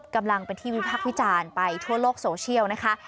กำลังเป็นที่วิพักษ์วิจารณ์ไปทั่วโลกโซเชียลนะคะ